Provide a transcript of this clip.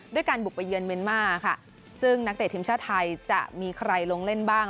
การบุกไปเยือนเมียนมาร์ค่ะซึ่งนักเตะทีมชาติไทยจะมีใครลงเล่นบ้าง